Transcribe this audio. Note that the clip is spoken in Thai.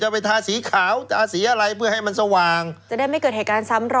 ไปทาสีขาวทาสีอะไรเพื่อให้มันสว่างจะได้ไม่เกิดเหตุการณ์ซ้ำรอย